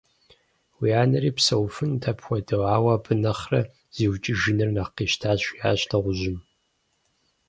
Уи анэри псэуфынут апхуэдэу, ауэ абы нэхърэ зиукӀыжыныр нэхъ къищтащ, - жиӏащ дыгъужьым.